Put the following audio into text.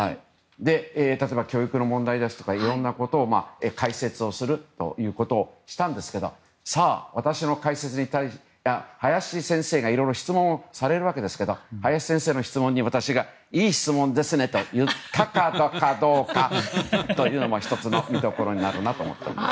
例えば、教育の問題ですとかいろんなことを解説をするということをしたんですけどさあ、林先生がいろいろ質問をされるわけですが林先生の質問に私が、いい質問ですね！と言ったかどうかというのが１つの見どころになるなと思っています。